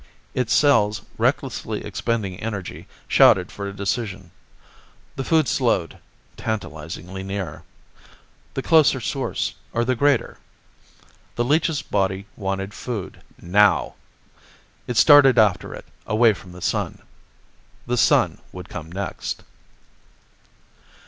Its cells, recklessly expending energy, shouted for a decision. The food slowed, tantalizingly near. The closer source or the greater? The leech's body wanted food now. It started after it, away from the Sun. The Sun would come next.